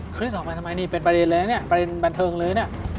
คริสต์ออกไปทำไมเป็นประเด็นเลยเป็นบรรเทิงเลย